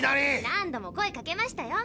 何度も声かけましたよ。